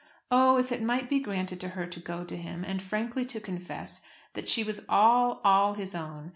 Oh, if it might be granted to her to go to him, and frankly to confess, that she was all, all his own!